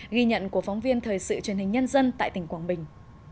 ghi nhận của phóng viên thời sự truyền hình nhân dân tại tỉnh quảng bình